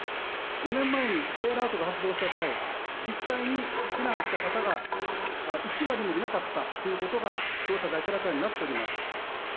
５年前にＪアラートが発動した際に実際に避難した方が１割もいなかったということが調査で明らかになっております。